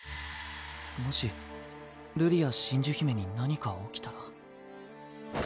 もし瑠璃や真珠姫に何か起きたら。